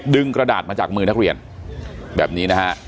กระดาษมาจากมือนักเรียนแบบนี้นะฮะ